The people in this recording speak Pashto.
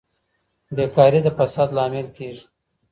بېکاري د فساد لامل کیږي.